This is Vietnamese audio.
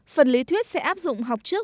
phần lý thuyết sẽ áp dụng học trước